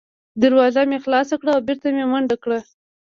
دروازه مې خلاصه کړه او بېرته مې بنده کړه.